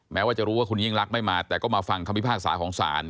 แม้ว่าจะรู้ว่าคุณยิ่งรักไม่มาแต่ก็มาฟังคำพิพากษาของศาล